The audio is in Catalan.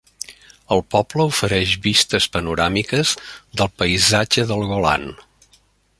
El poble ofereix vistes panoràmiques del paisatge del Golan.